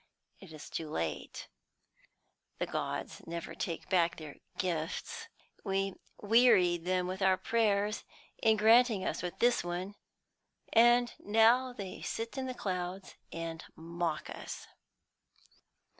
It is too late. The gods never take back their gifts; we wearied them with our prayers into granting us this one, and now they sit in the clouds and mock us."